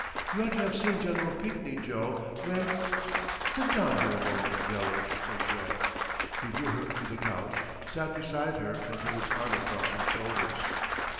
You ought to have seen Gen. Pinkney, Joe, when—" "Sit down here a moment, Dele," said Joe. He drew her to the couch, sat beside her and put his arm across her shoulders.